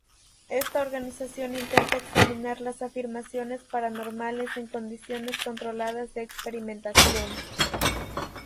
Esta organización intenta examinar las afirmaciones paranormales en condiciones controladas de experimentación.